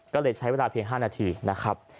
ก็เลยใช้เวลาเพียง๕นาทีนะครับ